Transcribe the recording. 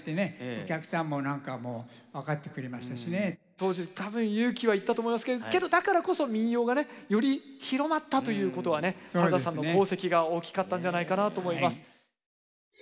当時多分勇気は要ったと思いますけどけどだからこそ民謡がねより広まったということはね原田さんの功績が大きかったんじゃないかなと思います。